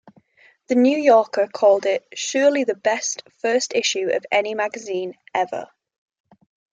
"The New Yorker" called it "surely the best first issue of any magazine ever.